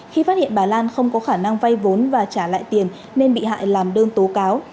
khi phát hiện bà lan không có khả năng vay vốn và trả lại tiền nên bị hại làm đơn tố cáo